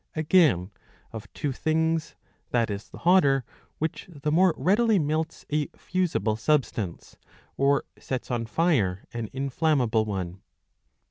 Again, of two things, that is the hotter, which the more readily melts a fusible substance, or sets on fire an inflammable one.